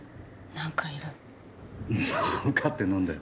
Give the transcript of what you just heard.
何かって何だよ？